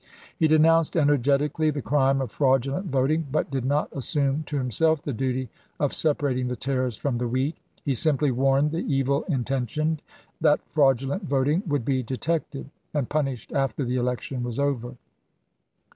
He denounced energetically the crime of fraudu lent voting, but did not assume to himself the duty of separating the tares from the wheat. He simply warned the evil intentioned that fraudulent voting would be detected and punished after the election was over.